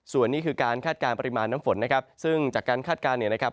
ส่วนนี้คือการคาดการณ์ปริมาณน้ำฝนนะครับซึ่งจากการคาดการณ์เนี่ยนะครับ